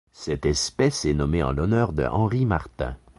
Cette espèce est nommée en l'honneur de Henri Martin.